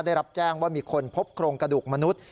ได้รับแจ้งว่ามีคนพบโครงกระดูกมนุษย์